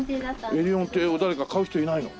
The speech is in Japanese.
エリオン邸を誰か買う人いないの？